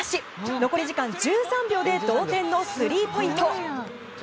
残り時間１３秒で同点のスリーポイント。